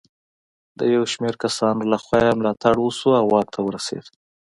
د یو شمېر کسانو له خوا یې ملاتړ وشو او واک ته ورسېد.